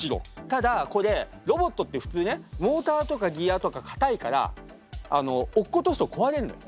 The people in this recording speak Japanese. ただこれロボットって普通ねモーターとかギアとか硬いからあの落っことすと壊れんのよ。